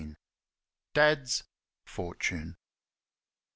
Dad's "Fortune."